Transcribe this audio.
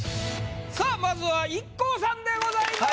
さあまずはＩＫＫＯさんでございます。